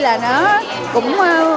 là nó cũng